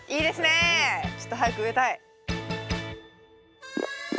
ちょっと早く植えたい。